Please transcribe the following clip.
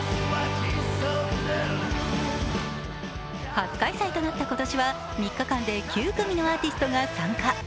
初開催となった今年は３日間で９組のアーティストが参加。